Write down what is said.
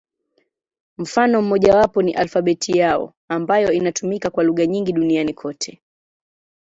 Mfano mmojawapo ni alfabeti yao, ambayo inatumika kwa lugha nyingi duniani kote.